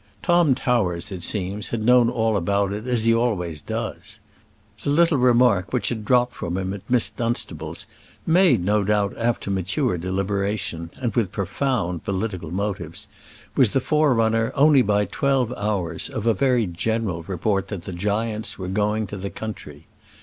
Tom Towers, it seems, had known all about it, as he always does. The little remark which had dropped from him at Miss Dunstable's, made, no doubt, after mature deliberation, and with profound political motives, was the forerunner, only by twelve hours, of a very general report that the giants were going to the country.